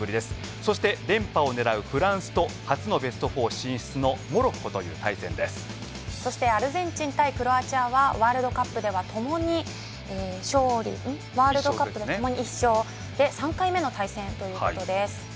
そして、連覇を狙うフランスと初のベスト４進出のそしてアルゼンチン対クロアチアはワールドカップではともに１勝で３回目の対戦ということです。